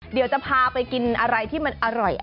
เดี๋ยวจะพาไปกินอะไรที่มันอร่อย